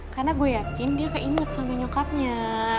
karena gue yakin dia keinget sama nyokapnya